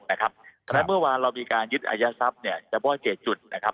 และเมื่อวานเรามีการยึดอายัดทรัพย์เฉพาะ๗จุด